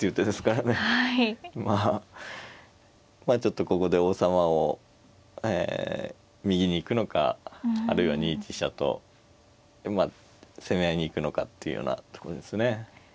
まあちょっとここで王様を右に行くのかあるいは２一飛車とまあ攻め合いに行くのかっていうようなところですね。